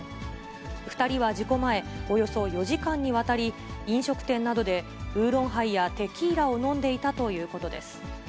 ２人は事故前、およそ４時間にわたり、飲食店などでウーロンハイやテキーラを飲んでいたということです。